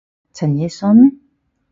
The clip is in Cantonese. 陳奕迅？